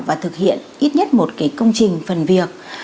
và thực hiện ít nhất một công trình phần việc